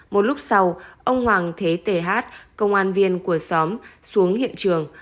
một lúc sau ông hoàng thế thề hát công an viên của xóm xuống hiện trường